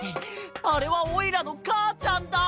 あれはおいらのかあちゃんだ！